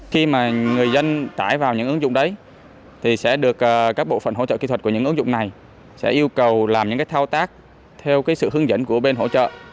khi mà người dân tải vào những ứng dụng đấy thì sẽ được các bộ phận hỗ trợ kỹ thuật của những ứng dụng này sẽ yêu cầu làm những cái thao tác theo sự hướng dẫn của bên hỗ trợ